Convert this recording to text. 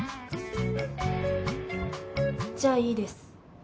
じゃあいいです。